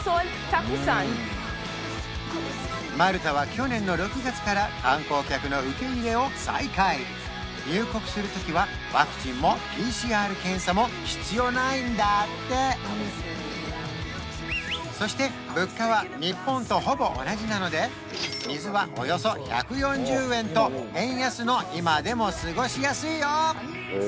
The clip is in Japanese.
マルタは去年の６月から観光客の受け入れを再開入国する時はワクチンもＰＣＲ検査も必要ないんだってそして水はおよそ１４０円と円安の今でも過ごしやすいよ